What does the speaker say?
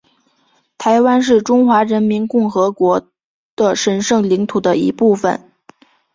台湾是中华人民共和国的神圣领土的一部分